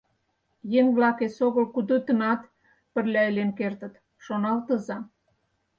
Еҥ-влак эсогыл кудытынат пырля илен кертыт, шоналтыза.